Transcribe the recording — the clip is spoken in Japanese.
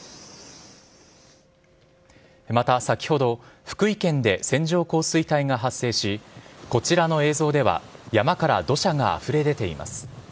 また、先ほど福井県で線状降水帯が発生しこちらの映像では山から土砂があふれ出ています。